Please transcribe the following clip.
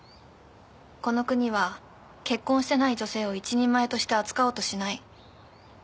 この国は結婚してない女性を一人前として扱おうとしない。